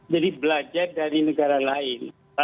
belajar dari negara lain